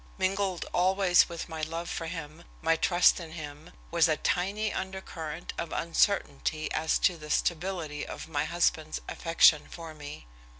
Mingled always with my love for him, my trust in him, was a tiny undercurrent of uncertainty as to the stability of my husband's affection for me.